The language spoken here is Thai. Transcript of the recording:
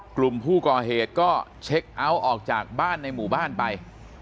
กลุ่มผู้ก่อเหตุก็เช็คเอาท์ออกจากบ้านในหมู่บ้านไป